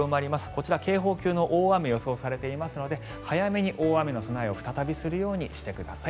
こちら警報級の大雨が予想されていますので早めに大雨の備えを再びするようにしてください。